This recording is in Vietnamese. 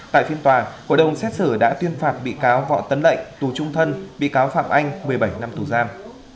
tại phiên tòa hội đồng xét xử đã tuyên phạt bị cáo võ tấn lệnh tù trung thân bị cáo phạm anh một mươi bảy năm tù giam